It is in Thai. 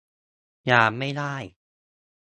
หยามไม่ได้